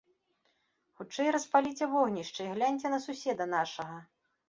Хутчэй распаліце вогнішча і гляньце на суседа нашага!